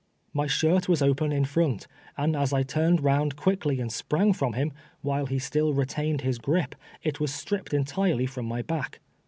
!My shirt was open in front, and as I turned round quickly and sprang from him, Avhile he still retained his gripe, it was stripped entirely from my back.